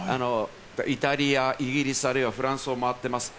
イタリア、イギリス、あるいはフランスを回っています。